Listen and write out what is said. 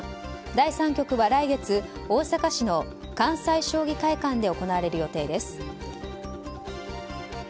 第３局は来月関西将棋会館で行われる予定です。